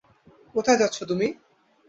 কোথায় যাচ্ছো তুমি?